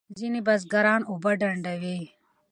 ځینې بزګران اوبه ډنډوي.